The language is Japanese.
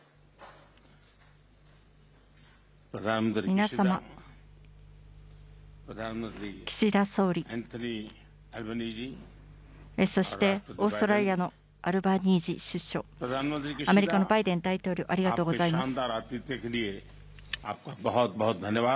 皆様、岸田総理、そしてオーストラリアのアルバニージー首相、アメリカのバイデン大統領、ありがとうございます。